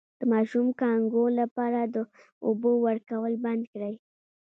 د ماشوم د کانګو لپاره د اوبو ورکول بند کړئ